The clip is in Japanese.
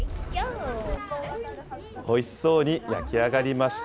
おいしそうに焼き上がりました。